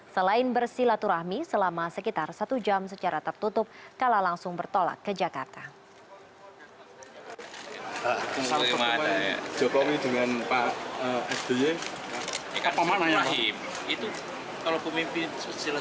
selain bersilaturahmi selama sekitar satu jam secara tertutup kala langsung bertolak ke jakarta